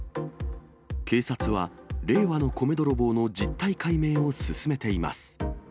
警察は、令和の米泥棒の実態解明を進めています。